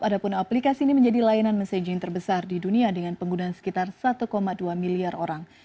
adapun aplikasi ini menjadi layanan messaging terbesar di dunia dengan penggunaan sekitar satu dua miliar orang